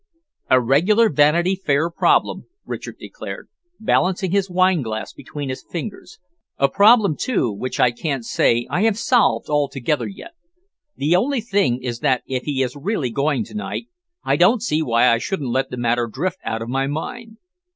"A regular 'Vanity Fair' problem," Richard declared, balancing his wine glass between his fingers, "a problem, too, which I can't say I have solved altogether yet. The only thing is that if he is really going to night, I don't see why I shouldn't let the matter drift out of my mind."